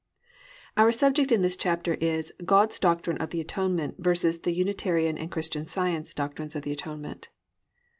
Our subject in this chapter is "God's Doctrine of the Atonement vs. the Unitarian and Christian Science Doctrines of the Atonement."